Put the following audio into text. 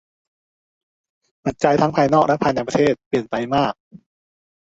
ปัจจัยทั้งภายนอกและภายในประเทศเปลี่ยนไปมาก